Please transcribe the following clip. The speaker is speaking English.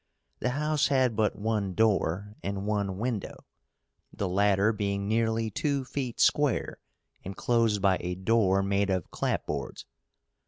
The house had but one door and one window, the latter being nearly two feet square and closed by a door made of clap boards.